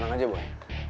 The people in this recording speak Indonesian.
selamat jalan kal